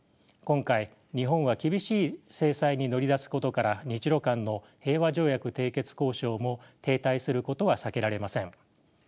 今回日本は厳しい制裁に乗り出すことから日ロ間の平和条約締結交渉も停滞することは避けられません。